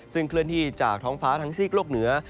ซึ่งเคลื่อนที่จากท้องฟ้าทั้งซีกโลกเหนือ